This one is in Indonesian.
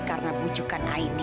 karena pujukan aini